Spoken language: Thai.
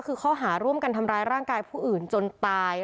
คือข้อหาร่วมกันทำร้ายร่างกายผู้อื่นจนตาย